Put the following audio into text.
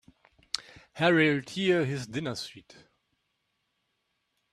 Harry'll tear his dinner suit.